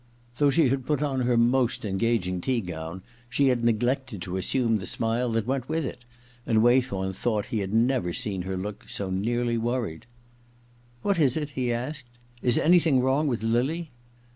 Though she had put on her most engaging tea gown she had neglected to assume the smile that went with it, and Waythorn thought he had never seen her look so nearly worried. I THE OTHER TWO 45 * What is it ?' he asked. • Is anything wrong with Lily